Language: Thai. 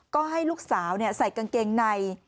ก็ให้ลูกสาวใส่กางเกงใน